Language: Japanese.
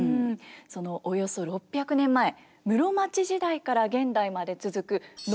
そのおよそ６００年前室町時代から現代まで続く能と狂言。